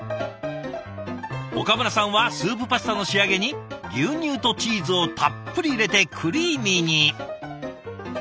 岡村さんはスープパスタの仕上げに牛乳とチーズをたっぷり入れてクリーミーに。